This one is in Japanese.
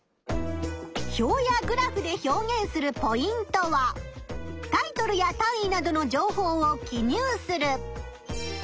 表やグラフで表現するポイントはタイトルや単位などの情報を記入する。